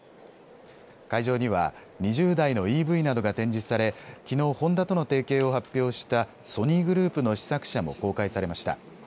会場には２０台のＥＶなどが展示され、きのうホンダとの提携を発表したソニーグループの試作車も公開されました。